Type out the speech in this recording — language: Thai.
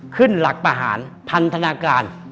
ขึ้นหลักประหารพันธนาการ